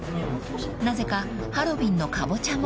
［なぜかハロウィーンのカボチャも］